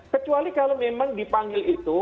kecuali kalau memang dipanggil itu